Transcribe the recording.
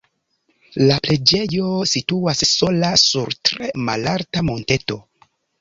La preĝejo situas sola sur tre malalta monteto.